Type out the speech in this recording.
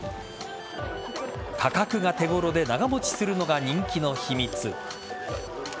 価格が手頃で長持ちするのが人気の秘密。